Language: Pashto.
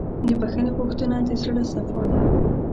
د بښنې غوښتنه د زړۀ صفا ده.